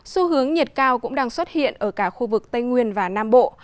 xu hướng nhiệt cao cũng đang xuất hiện ở cả khu vực tây nguyên và nam bộ